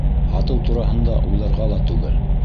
Һатыу тураһында уйларға ла түгел.